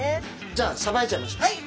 じゃあさばいちゃいましょう。